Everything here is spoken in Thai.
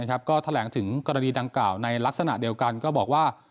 ก็แถลงถึงกรณีดังกล่าวในลักษณะเดียวกันก็บอกว่า